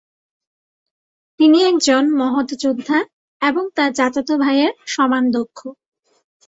তিনি একজন মহৎ যোদ্ধা এবং তার চাচাতো ভাইয়ের সমান দক্ষ।